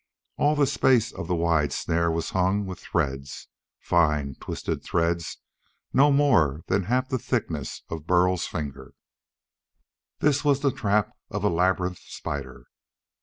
All the space of the wide snare was hung with threads: fine, twisted threads no more than half the thickness of Burl's finger. This was the trap of a labyrinth spider.